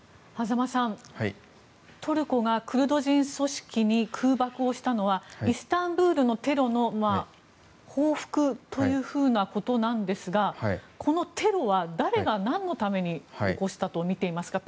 間さん、トルコがクルド人組織に空爆をしたのはイスタンブールのテロの報復ということなんですがこのテロは誰が、何のために起こしたとみていますか。